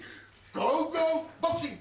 ゴーゴーボクシング！